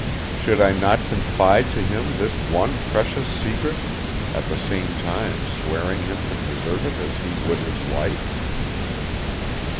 Should I not confide to him this one precious secret, at the same time swearing him to preserve it as he would his life?"